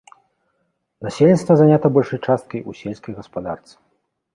Насельніцтва занята большай часткай у сельскай гаспадарцы.